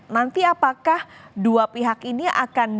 nanti apakah dua pihak ini akan